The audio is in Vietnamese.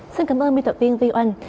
xin cảm ơn biên tập viên vy oanh